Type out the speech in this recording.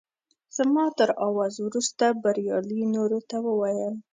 زما تر اواز وروسته بریالي نورو ته وویل.